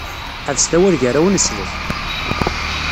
Ḥebset awal gar-awen u slet!